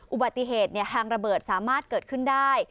อุบัติเหตุทางระเบิดสามารถเกิดขึ้นได้